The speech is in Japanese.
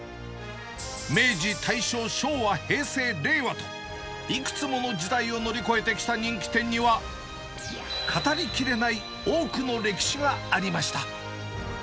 明治、大正、昭和、平成、令和と、いくつもの時代を乗り越えてきた人気店には、語りきれない多くの歴史がありました。